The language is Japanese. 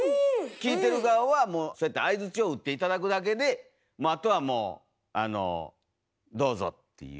聞いてる側はもうそうやって相づちを打って頂くだけでもうあとはもうあのどうぞっていう。